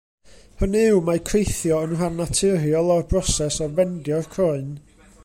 Hynny yw, mae creithio yn rhan naturiol o'r broses o fendio'r croen.